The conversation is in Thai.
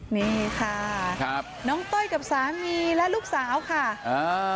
นี่ค่ะครับน้องต้อยกับสามีและลูกสาวค่ะอ่า